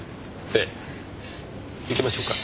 ええ行きましょうか。